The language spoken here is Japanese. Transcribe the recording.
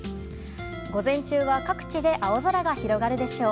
午前中は各地で青空が広がるでしょう。